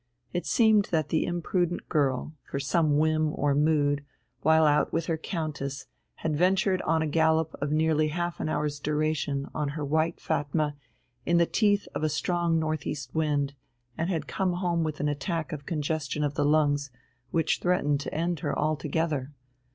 It seemed that the imprudent girl, for some whim or mood, while out with her countess, had ventured on a gallop of nearly half an hour's duration on her white Fatma in the teeth of a strong north east wind, and had come home with an attack of congestion of the lungs, which threatened to end her altogether.